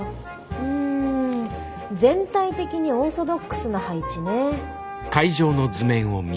うん全体的にオーソドックスな配置ね。